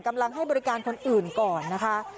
กำลังให้บริการคนอื่นก่อนนะคะ